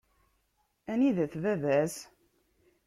Anida-t baba-s?